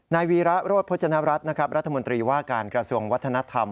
นายวีระโรธพจนรัทย์รัฐมนตรีว่าการกระทรวงวัฒนธรรม